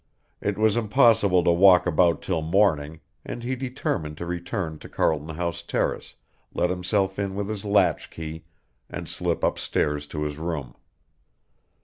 It was impossible to walk about till morning and he determined to return to Carlton House Terrace, let himself in with his latch key and slip upstairs to his room.